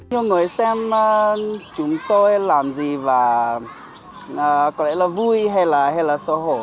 nhiều người xem chúng tôi làm gì và có lẽ là vui hay là xấu hổ